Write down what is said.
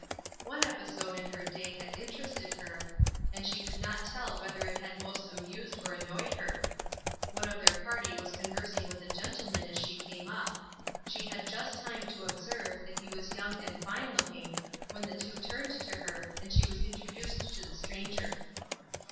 One episode in her day had interested her, and she could not tell whether it had most amused or annoyed her. One of their party was conversing with a gentleman as she came up. She had just time to observe that he was young and fine looking, when the two turned to her, and she was introduced to the stranger.